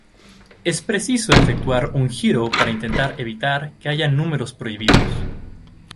Es preciso efectuar un giro para intentar evitar que haya números prohibidos.